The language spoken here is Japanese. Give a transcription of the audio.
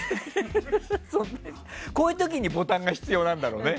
こういう時にボタンが必要なんだろうね。